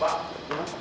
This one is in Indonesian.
pak pak pak